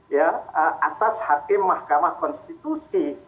ya atas hakim mahkamah konstitusi